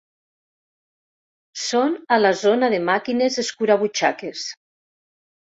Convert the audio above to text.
Són a la zona de màquines escurabutxaques.